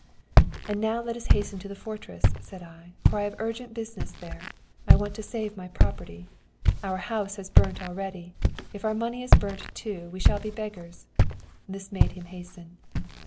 "'And now let us hasten to the fortress,' I said, 'for I have urgent business there. I want to save my property. Our house has been burnt already; if our money is burnt too, we shall be beggars.' This made him hasten.